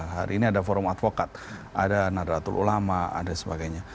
hari ini ada forum advokat ada nadratul ulama ada sebagainya